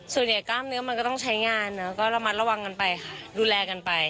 กล้ามเนื้อมันก็ต้องใช้งานเนอะก็ระมัดระวังกันไปค่ะดูแลกันไป